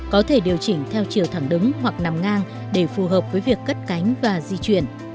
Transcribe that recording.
có thể điều chỉnh theo chiều thẳng đứng hoặc nằm ngang để phù hợp với việc cất cánh và di chuyển